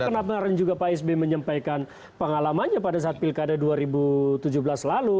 kenapa juga pak sby menyampaikan pengalamannya pada saat pilkada dua ribu tujuh belas lalu